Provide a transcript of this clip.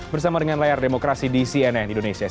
bersama dengan layar demokrasi di cnn indonesia